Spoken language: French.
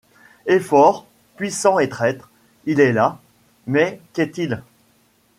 Et fort, puissant et traître ? Il est là ; mais qu’est-il ?